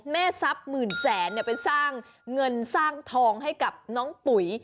ทรัพย์หมื่นแสนไปสร้างเงินสร้างทองให้กับน้องปุ๋ย